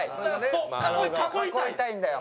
囲いたいんだよ。